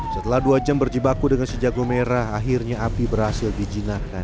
setelah dua jam berjibaku dengan sejago merah akhirnya api berhasil dijinakkan